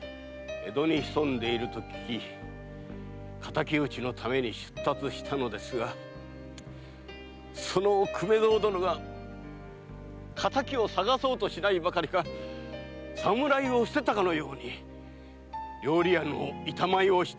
江戸に潜んでいると聞き敵討ちのために出立したのですがその粂蔵殿が敵を捜そうとしないばかりか侍を捨てたかのように料理屋の板前をしていると江戸からの噂。